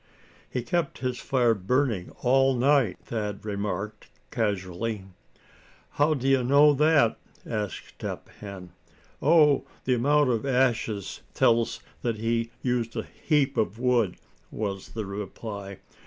"He kept his fire burning all night," Thad remarked, casually. "How d'ye know that?" asked Step Hen. "Oh! the amount of ashes tells that he used a heap of wood," was the reply.